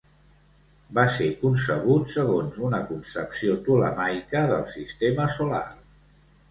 Va ser concebut segons una concepció ptolemaica del sistema solar.